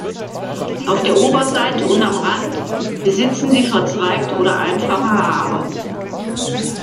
Auf der Oberseite und am Rand besitzen sie verzweigte oder einfache Haare.